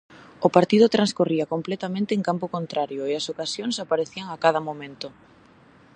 O partido transcorría completamente en campo contrario e as ocasións aparecían a cada momento.